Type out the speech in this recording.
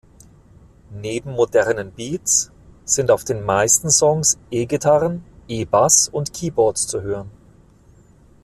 Neben modernen Beats sind auf den meisten Songs E-Gitarren, E-Bass und Keyboards zu hören.